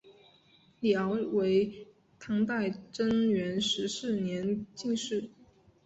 李翱为唐代贞元十四年进士。